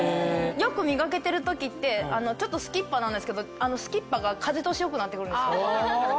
よく磨けてる時ってちょっとすきっ歯なんですけどすきっ歯が風通し良くなって来るんです。